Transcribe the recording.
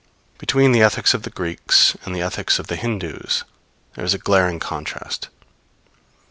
] Between the ethics of the Greeks and the ethics of the Hindoos, there is a glaring contrast.